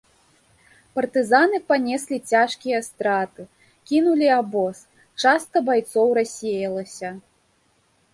Партызаны панеслі цяжкія страты, кінулі абоз, частка байцоў рассеялася.